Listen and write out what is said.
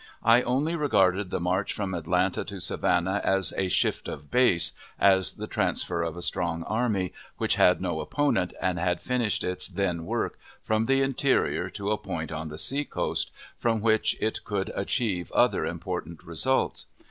I only regarded the march from Atlanta to Savannah as a "shift of base," as the transfer of a strong army, which had no opponent, and had finished its then work, from the interior to a point on the sea coast, from which it could achieve other important results.